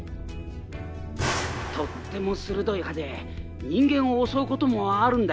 とっても鋭い歯で人間を襲うこともあるんだよ。